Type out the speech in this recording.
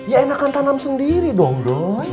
ya enakan tanam sendiri dong dong